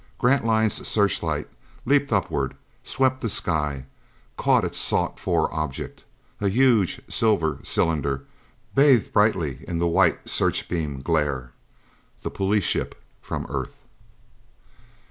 Grantline's searchlight leaped upward, swept the sky, caught its sought for object a huge silver cylinder, bathed brightly in the white searchbeam glare. The police ship from Earth.